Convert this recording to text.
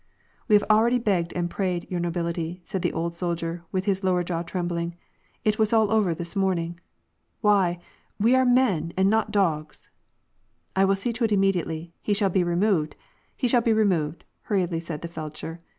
We have already begged and prayed, your nobility," said the old soldier, with his lower jaw trembling. " It was all over this morning. Why ! we are men, and not dogs." " I will see to it immediately, he shall be removed, he shall be removed," hurriedly said the feldsher.